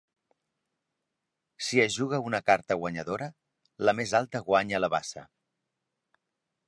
Si es juga una carta guanyadora, la més alta guanya la basa.